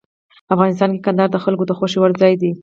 افغانستان کې کندهار د خلکو د خوښې وړ ځای دی.